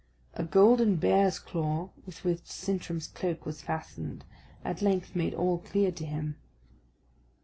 A golden bear's claw, with which Sintram's cloak was fastened, at length made all clear to him.